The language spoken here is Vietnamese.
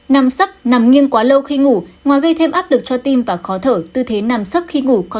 nằm sấp nằm nghiêng quá lâu khi ngủ ngoài gây thêm áp lực cho tim và khó thở